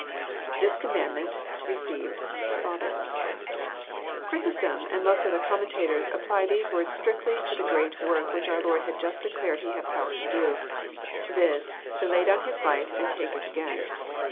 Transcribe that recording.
{_Thiscommandment,„received„»Father.'] Chrysostom, and most other commentators, apply these wor(te strictly to the great work which our Lord has just declared He had power to do : viz., to lay down His life and to take it again.